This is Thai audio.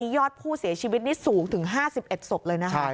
ยอดผู้เสียชีวิตนี่สูงถึง๕๑ศพเลยนะคะ